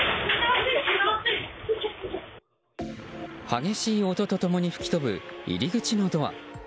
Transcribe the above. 激しい音と共に吹き飛ぶ入り口のドア。